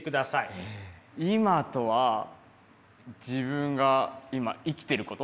「今」とは自分が今生きてること？